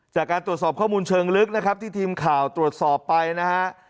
จากการตรวจสอบข้อมูลเชิงลึกนะครับที่ทีมข่าวตรวจสอบไปนะฮะ